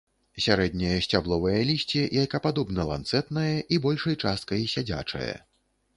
Сярэдняе сцябловае лісце яйкападобна-ланцэтнае і большай часткай сядзячае.